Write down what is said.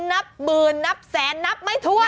นับหมื่นนับแสนนับไม่ถ้วน